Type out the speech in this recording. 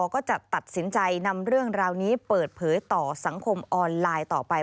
ก็จะตัดสินใจนำเรื่องราวนี้เปิดเผยต่อสังคมออนไลน์ต่อไป